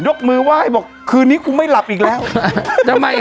ยกมือไหว้บอกคืนนี้กูไม่หลับอีกแล้วทำไม